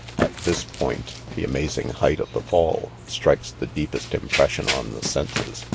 At this point* the amazing height of the 'fall strikes the deepest impression, on the senses.